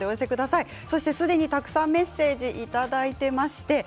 すでにたくさんメッセージいただいています。